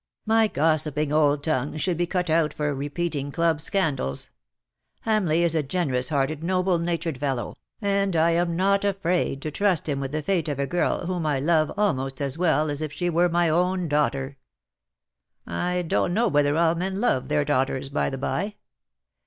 ^^ My gossiping old tongue should be cut out for repeating club scandals ! Hamleigh is a generous hearted, noble natured fellow, and I am not afraid to trust him with the fate of a girl whom I love IN SOCIETY. 175 almost as well as if slie were my own daughter. I clon^t know whether all men love their daughters, by the by.